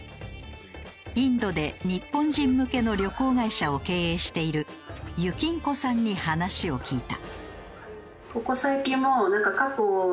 インドで日本人向けの旅行会社を経営しているゆきんこさんに話を聞いた。